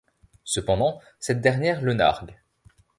Cependant, cette dernière le nargue.